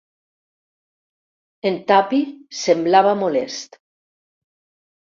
En Tuppy semblava molest.